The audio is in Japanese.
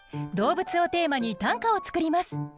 「動物」をテーマに短歌を作ります。